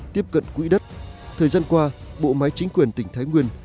tiếp cận quỹ đất thời gian qua bộ máy chính quyền tỉnh thái nguyên